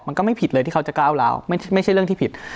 มันก็ไม่ผิดเลยที่เขาจะก้าวร้าวไม่ใช่เรื่องที่ผิด